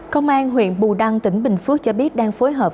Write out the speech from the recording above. công an huyện bù đăng tỉnh bình phước cho biết đang phối hợp